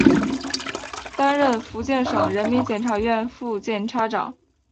担任福建省人民检察院副检察长。